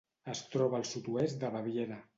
Es troba al sud-oest de Baviera.